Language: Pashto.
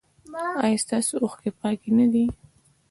ایا ستاسو اوښکې پاکې نه دي؟